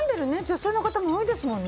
女性の方も多いですもんね。